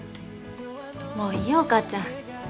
もういいよお母ちゃん。